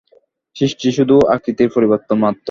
সৃষ্টি শুধু আকৃতির পরিবর্তন মাত্র।